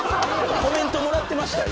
コメントもらってました？